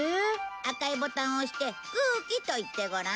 赤いボタンを押して「空気」と言ってごらん。